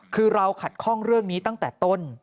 คือเราขัดข้องเรื่องนี้ตั้งแต่ต้น